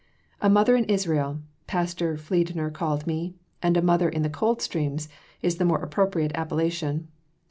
'A Mother in Israel,' Pastor Fliedner called me; a Mother in the Coldstreams, is the more appropriate appellation.